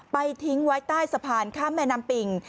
ทิ้งไว้ใต้สะพานข้ามแม่น้ำปิ่ง